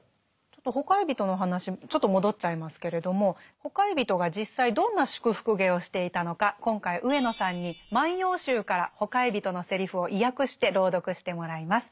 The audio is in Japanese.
ちょっとほかひびとの話ちょっと戻っちゃいますけれどもほかひびとが実際どんな祝福芸をしていたのか今回上野さんに「万葉集」からほかひびとのセリフを意訳して朗読してもらいます。